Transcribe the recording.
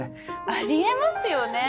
あり得ますよね。